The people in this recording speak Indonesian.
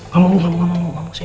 kamu sih gak mau